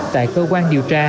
tại cơ quan điều tra